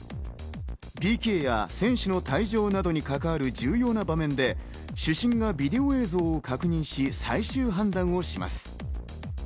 ＰＫや選手の退場に関わる重要な場面で主審がビデオ映像を確認し最終判断をします。